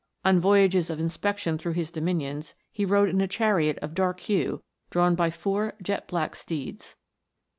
On voyages of inspection through his dominions, he rode in a chariot of dark hue, drawn by four jet black steeds.